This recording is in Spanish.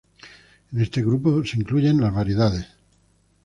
En este grupo de incluyen las variedades.